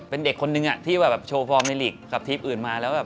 เป็นเด็กคนนึงที่แบบโชว์ฟอร์มในลีกกับทีมอื่นมาแล้วแบบ